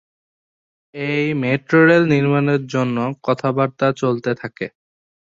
এই metro rail নির্মাণের জন্য কথা বার্তা চলতে থাকে।